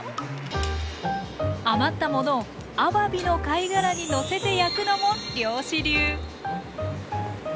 余ったものをアワビの貝殻にのせて焼くのも漁師流。